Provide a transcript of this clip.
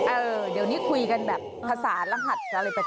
เอ่อเดี๋ยวนี้คุยกันแบบภาษาละหักอะไรปะแปลกปะกัน